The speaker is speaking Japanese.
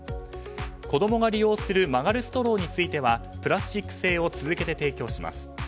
子供が利用する曲がるストローについてはプラスチック製を続けて提供します。